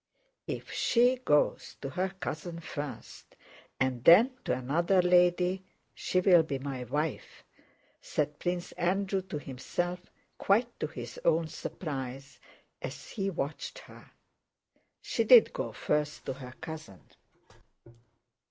"If she goes to her cousin first and then to another lady, she will be my wife," said Prince Andrew to himself quite to his own surprise, as he watched her. She did go first to her cousin.